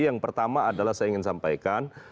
yang pertama adalah saya ingin sampaikan